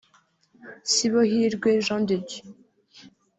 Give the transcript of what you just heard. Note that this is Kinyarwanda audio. Sibohirwe Jean de Dieu